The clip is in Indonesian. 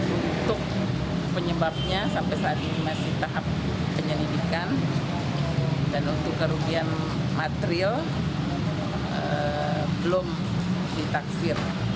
untuk penyebabnya sampai saat ini masih tahap penyelidikan dan untuk kerugian material belum ditaksir